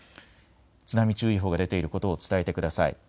津波注意報が出ていることを伝えてください。